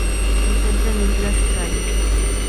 Se encuentra en islas Kai.